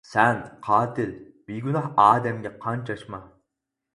سەن قاتىل بىگۇناھ ئادەمگە قان چاچما!